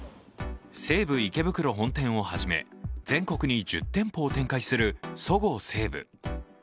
西武池袋本店をはじめ、全国に１０店舗を展開するそごう・西武。